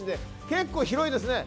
結構広いですね。